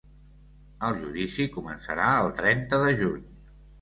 El judici començarà el trenta de juny.